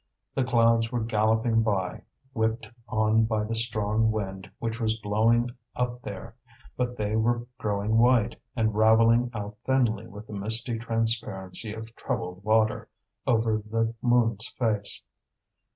The clouds were galloping by, whipped on by the strong wind which was blowing up there; but they were growing white, and ravelling out thinly with the misty transparency of troubled water over the moon's face.